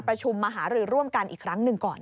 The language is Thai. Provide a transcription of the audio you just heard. ประชุมมหารือร่วมกันอีกครั้งหนึ่งก่อน